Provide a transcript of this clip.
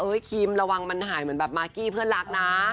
ครีมระวังมันหายเหมือนแบบมากกี้เพื่อนรักนะ